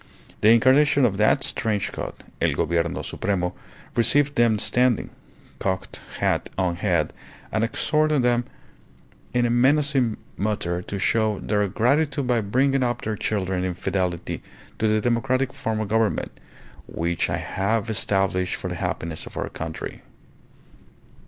The incarnation of that strange god, El Gobierno Supremo, received them standing, cocked hat on head, and exhorted them in a menacing mutter to show their gratitude by bringing up their children in fidelity to the democratic form of government, "which I have established for the happiness of our country."